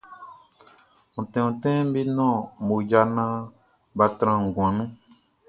Ontin ontin be nɔn mmoja naan bʼa tran nguan nun.